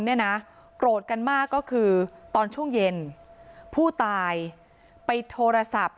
เนี่ยนะโกรธกันมากก็คือตอนช่วงเย็นผู้ตายไปโทรศัพท์